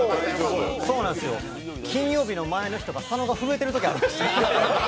金曜日の前の日とか佐野が震えてるときありました。